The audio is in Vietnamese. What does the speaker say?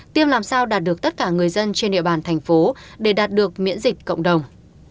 tiêm làm sao đạt được tất cả người dân trên địa bàn thành phố để đạt được miễn dịch cộng đồng